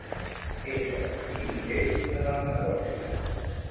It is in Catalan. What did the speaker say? Ésser diligent en els negocis.